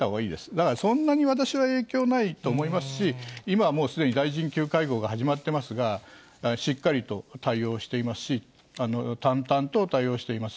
だからそんなに私は影響ないと思いますし、今はもうすでに大臣級会合が始まってますが、しっかりと対応していますし、淡々と対応しています。